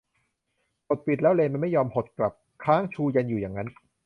กดปิดแล้วเลนส์มันไม่ยอมหดกลับ ค้างชูชันอยู่อย่างนั้น